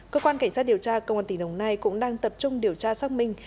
cơ quan cảnh sát điều tra công an tỉnh đồng nai cũng đang tập trung điều tra xác minh